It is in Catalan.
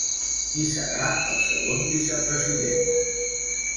Qui serà el segon vicepresident?